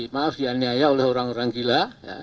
maaf dianiaya oleh orang orang gila